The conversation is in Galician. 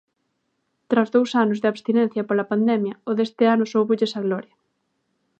Tras dous anos de abstinencia pola pandemia, o deste ano sóubolles a gloria.